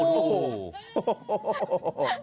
โมโห